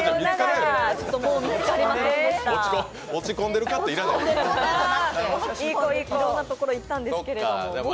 いろんなところ行ったんですけども。